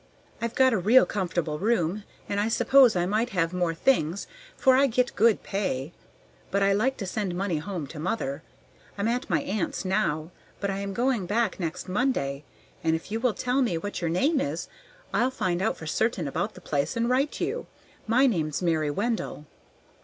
I've got a real comfortable room, and I suppose I might have more things, for I get good pay; but I like to send money home to mother. I'm at my aunt's now, but I am going back next Monday, and if you will tell me what your name is, I'll find out for certain about the place, and write you. My name's Mary Wendell."